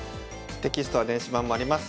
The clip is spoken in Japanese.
テキストは電子版もあります。